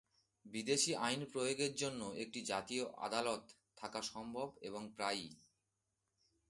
বিদেশী আইন প্রয়োগের জন্য একটি জাতীয় আদালত থাকা সম্ভব এবং প্রায়ই।